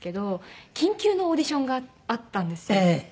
緊急のオーディションがあったんですよ。